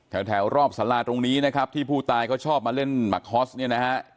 แถวรอบสาราตรงนี้นะครับที่ผู้ตายเขาชอบมาเล่นหมักฮอสเนี่ยนะฮะ